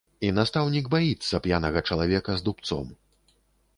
І настаўнік баіцца п'янага чалавека з дубцом.